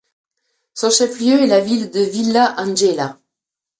Son chef-lieu est la ville de Villa Ángela.